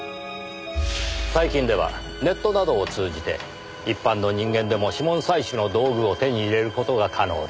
最近ではネットなどを通じて一般の人間でも指紋採取の道具を手に入れる事が可能です。